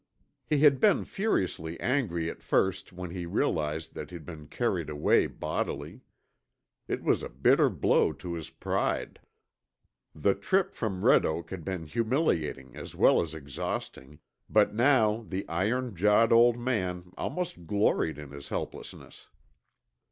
He had been furiously angry at first when he realized that he'd been carried away bodily. It was a bitter blow to his pride. The trip from Red Oak had been humiliating as well as exhausting, but now the iron jawed old man almost gloried in his helplessness.